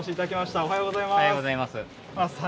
おはようございます。